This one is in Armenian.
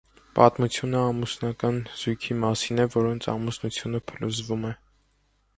Պատմությունը ամուսնական զույգի մասին է, որոնց ամուսնությունը փլուզվում է։